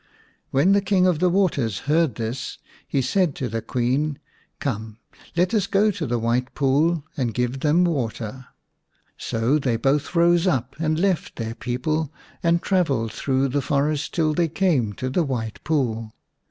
When the King of the Waters heard this he 112 TX The Serpent's Bride said to the Queen, "Come, let us go to the White Pool and give them water." So they both rose up and left their people and travelled through the forest till they came to the White Pool.